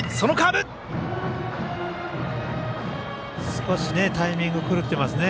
少しタイミングが狂っていますね。